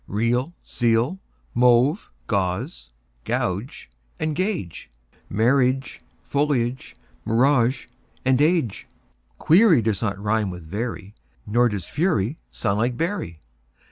Real, zeal; mauve, gauze and gauge; Marriage, foliage, mirage, age. Query does not rime with very, Nor does fury sound like bury.